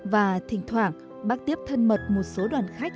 và thỉnh thoảng bác tiếp thân mật một số đoàn khách trong nhà